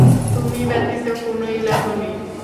তুমি ব্যতীত কোন ইলাহ নেই।